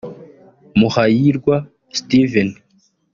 Muhayirwa Steven